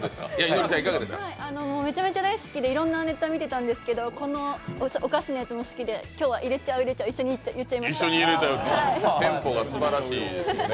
めちゃくちゃ大好きでいろんなネタを見てたんですけどこのお菓子のやつも好きで、今日は入れちゃう、入れちゃう、テンポがすばらしい。